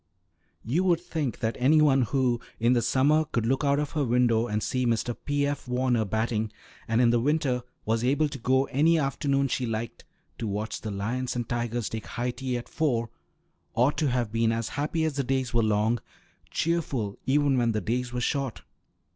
You would think that any one who, in the summer, could look out of her window and see Mr. P. F. Warner batting, and in the winter was able to go any afternoon she liked, to watch the lions and tigers take high tea at four, ought to have been as happy as the days were long; cheerful even when the days were short.